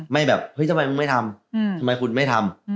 แบบเฮ้ยทำไมมึงไม่ทำทำไมคุณไม่ทำ